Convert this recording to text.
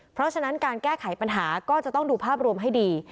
เพราะฉะนั้นการแก้ไขปัญหาก็จะต้องดูภาพรวมให้ดี